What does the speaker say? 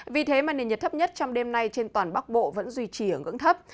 vì thế mà nền nhiệt thấp nhất trong đêm nay trên toàn bắc bộ vẫn duy trì ở ngưỡng thấp